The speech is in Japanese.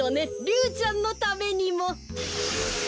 リュウちゃんのためにも。